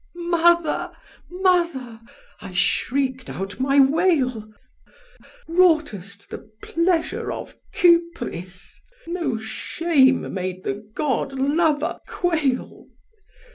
'Mother! mother!' I shrieked out my wail Wroughtest the pleasure of Kypris; no shame made the god lover quail.